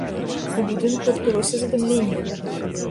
У будынку адбылося задымленне.